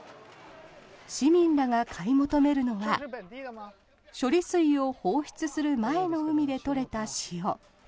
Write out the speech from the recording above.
市民らが買い求めるのは処理水を放出する前の海で取れた塩。